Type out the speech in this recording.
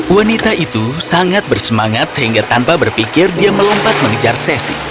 wanita itu sangat bersemangat sehingga tanpa berpikir dia melompat mengejar sesi